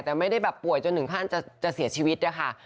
แต่ไม่ได้ป่วยจนนึงข้างจะเสียชีวิตค่ะ